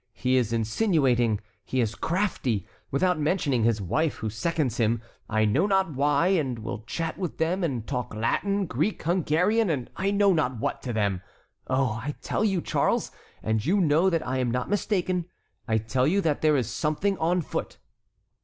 He is insinuating, he is crafty; without mentioning his wife who seconds him, I know not why, and will chat with them, and talk Latin, Greek, Hungarian, and I know not what, to them! Oh, I tell you, Charles,—and you know that I am not mistaken,—I tell you that there is something on foot."